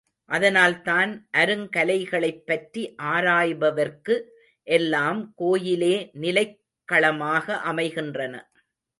அதனால்தான் அருங்கலைகளைப் பற்றி ஆராய்பவர்க்கு எல்லாம் கோயிலே நிலைக்களமாக அமைகின்றன.